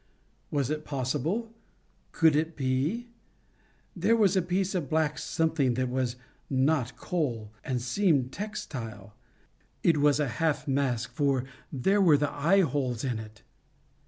Was it possible? Could it be? There was a piece of black something that was not coal, and seemed textile! It was a half mask, for there were the eye holes in it!